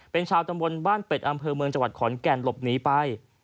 เป็นชาวตำบลบ้านเป็ดอำเภอเมืองจังหวัดขอนแก่นหลบหนีไป